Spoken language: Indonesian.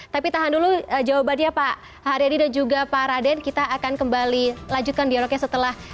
tapi tahan dulu jawabannya pak haryadi dan juga pak raden kita akan kembali lanjutkan dialognya setelah jeda berikut ini tetaplah berlangsung